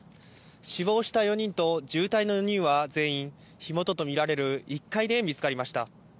死亡した４人と重体の４人は全員火元とみられる１階で見つかりました。